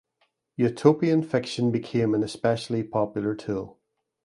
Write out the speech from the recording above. Utopian fiction became an especially popular tool.